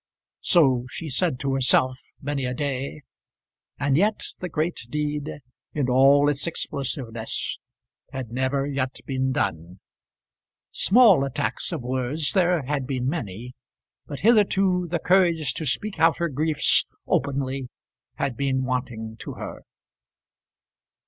So she said to herself many a day, and yet the great deed, in all its explosiveness, had never yet been done. Small attacks of words there had been many, but hitherto the courage to speak out her griefs openly had been wanting to her.